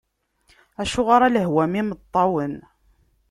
Acuɣer a lehwa mm yimeṭṭawen!